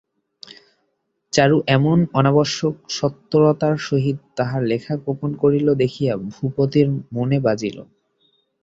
চারু এমন অনাবশ্যক সত্বরতার সহিত তাহার লেখা গোপন করিল দেখিয়া ভূপতির মনে বাজিল।